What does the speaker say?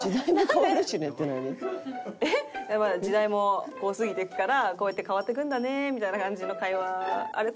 まあ時代も過ぎていくからこうやって変わっていくんだねみたいな感じの会話。